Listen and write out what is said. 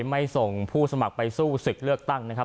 ไม่ส่งผู้สมัครไปสู้ศึกเลือกตั้งนะครับ